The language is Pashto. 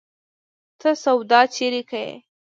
ته سودا چيري کيې؟